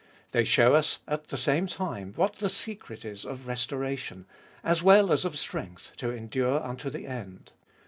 They show us at the same time what the secret is of restoration, as well as of strength to endure unto the end.